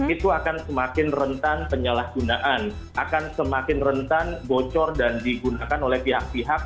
itu akan semakin rentan penyalahgunaan akan semakin rentan bocor dan digunakan oleh pihak pihak